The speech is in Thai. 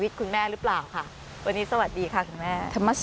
วันนี้สวัสดีค่ะคุณแม่